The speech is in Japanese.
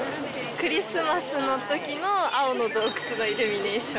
クリスマスのときの青の洞窟のイルミネーション。